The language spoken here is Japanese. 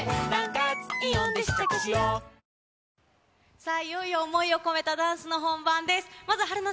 さあ、いよいよ想いを込めたダンスの本番です。